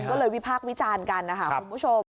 ก็เลยวิพากษ์วิจารณ์กันนะคะคุณผู้ชม